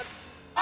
あ！